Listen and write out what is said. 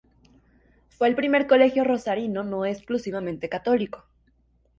Fue el primer colegio rosarino no exclusivamente católico.